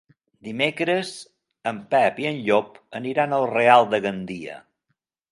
Dimecres en Pep i en Llop aniran al Real de Gandia.